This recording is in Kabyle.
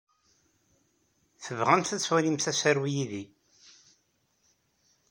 Tebɣamt ad twalimt asaru yid-i?